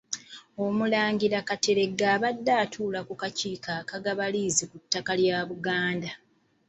Omulangira kateregga abadde atuula ku kakiiko akagaba liizi ku ttaka lya Buganda.